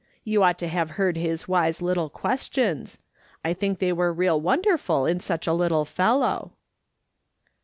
You ought to have heard his wise little questions. I think they were real wonderful in such a little fellow."